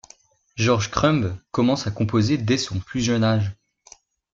George Crumb commence à composer dès son plus jeune âge.